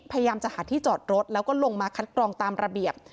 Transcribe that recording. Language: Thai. พยายามจะหาที่จอดรถแล้วก็ลงมาคัดกรองตามระเบียบ